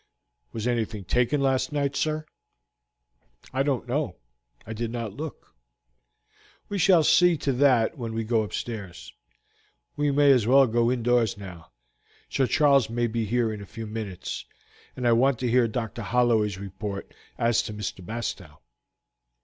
"Was anything taken last night, sir?" "I don't know; I did not look. We shall see to that when we go upstairs. We may as well go indoors now; Sir Charles may be here in a few minutes, and I want to hear Dr. Holloway's report as to Mr. Bastow."